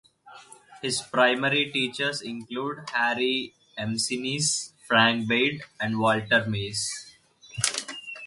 His primary teachers include Harry McNees, Frank Baird, and Walter Myers.